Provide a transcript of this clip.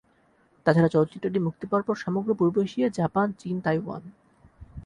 তাছাড়া চলচ্চিত্রটি মুক্তি পাওয়ার পর সমগ্র পূর্ব এশিয়া- জাপান, চীন, তাইওয়ান।